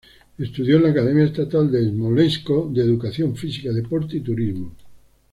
Estudió en la Academia Estatal de Smolensk de Educación Física, Deporte y Turismo.